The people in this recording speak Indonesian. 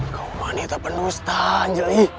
kau wanita penuh setahan jelai